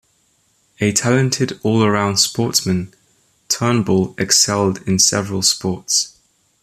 A talented all round sportsman, Turnbull excelled in several sports.